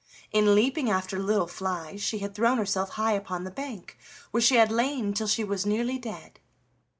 In leaping after little flies she had thrown herself high upon the bank, where she had lain till she was nearly dead.